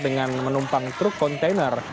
dengan menumpang truk kontainer